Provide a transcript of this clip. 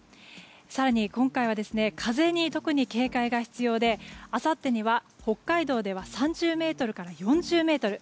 更に今回は風に特に警戒が必要であさってには北海道では３０メートルから４０メートル